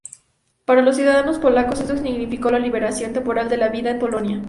Para los ciudadanos polacos, esto significó la liberalización temporal de la vida en Polonia.